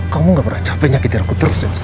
kamu gak pernah capek nyakitin aku terus